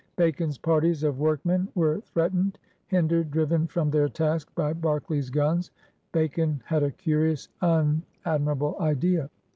Bacon's parties of workmen were threatened, hindered, driven from their task by Berkeley's guns. Bacon had a curious, unadmirable idea.